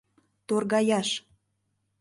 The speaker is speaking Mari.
— Торгаяш!